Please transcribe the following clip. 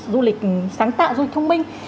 du lịch sáng tạo du lịch thông minh